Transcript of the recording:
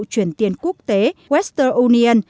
chuyển tiền quốc tế western union